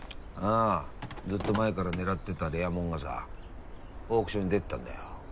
ああずっと前から狙ってたレア物がさオークションに出てたんだよ。